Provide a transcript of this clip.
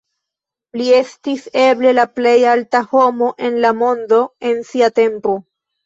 Li estis eble la plej alta homo en la mondo en sia tempo.